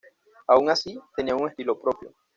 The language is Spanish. Aun así, tenían un estilo propio.